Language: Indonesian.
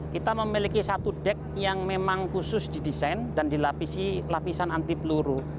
kita memiliki satu dek yang memang khusus didesain dan dilapisi lapisan anti peluru